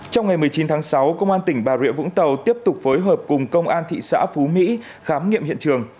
trong ngày một mươi chín tháng sáu công an tỉnh bà rịa vũng tàu tiếp tục phối hợp cùng công an thị xã phú mỹ khám nghiệm hiện trường